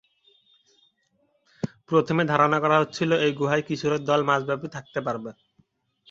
প্রথমে ধারণা করা হচ্ছিল, এই গুহায় কিশোরের দল মাসব্যাপী থাকতে পারবে।